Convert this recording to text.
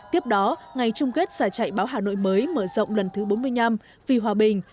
tiếp đó ngày trung kết giải chạy báo hà nội mới mở rộng lần thứ bốn mươi năm vì hòa bình